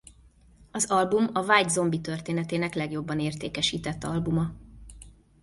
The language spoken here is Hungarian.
Az album a White Zombie történetének legjobban értékesített albuma.